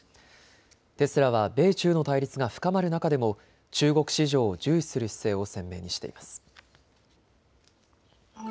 テスラは米中の対立が深まる中でも中国市場を重視する姿勢を鮮明にしています。